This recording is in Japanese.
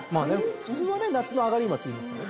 普通はね「夏の上がり馬」って言いますよね。